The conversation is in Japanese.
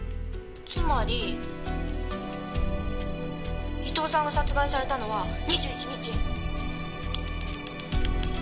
つまり伊東さんが殺害されたのは２１日。